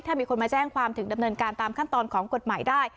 ถ้ามีคนมาแจ้งความถึงดำเนินการตามขั้นตอนของกฎหมายได้